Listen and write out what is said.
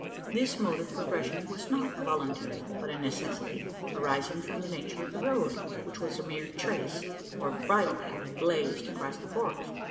This mode of progression was not voluntary, but a necessity, arising from the nature of the road which was a mere "trace" or bridle path "blazed" across the forest.